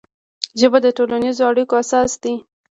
ژبه د ټولنیزو اړیکو اساس دی